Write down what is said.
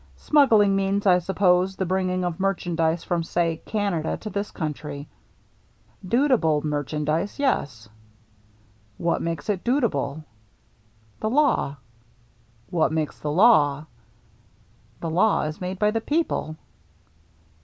Smuggling means, I suppose, the bringing of merchandise from, say, Canada to this country." " Dutiable merchandise, yes." " What makes it dutiable ?"" The law." " What makes the law ?"" The law is made by the people."